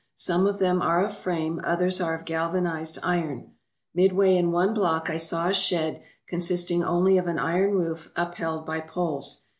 Some of them are of frame, others are of galvanized iron. Mid way in one block I saw a shed consisting only of an iron roof upheld by poles.